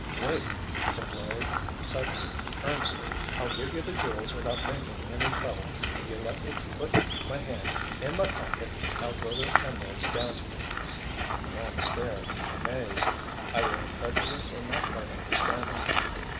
"Wait!" said Larry, suddenly, earnestly. "I'll give you the jewels without making any trouble—if you'll let me put my hand in my pocket I'll throw the emeralds down to you." The man stared, amazed, either incredulous or not quite understanding.